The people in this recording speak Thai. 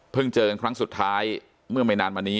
เจอกันครั้งสุดท้ายเมื่อไม่นานมานี้